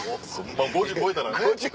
まぁ５０超えたらね。